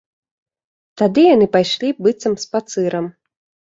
Тады яны пайшлі быццам спацырам.